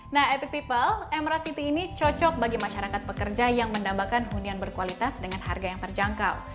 nah epic people emerald city ini cocok bagi masyarakat pekerja yang mendambakan hunian berkualitas dengan harga yang terjangkau